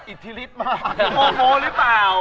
อิทธิฤทธิมากโมโมหรือเปล่า